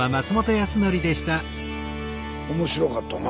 面白かったな。